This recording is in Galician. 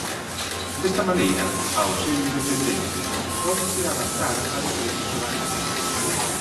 Desta maneira, ao ser independentes, pódese adaptar a diferentes horarios.